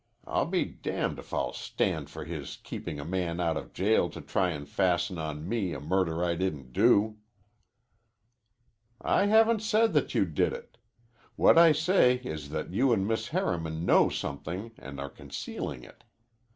I'll be damned if I'll stand for his keeping a man out of jail to try and fasten on me a murder I didn't do." "I haven't said you did it. What I say is that you and Miss Harriman know somethin' an' are concealin' it.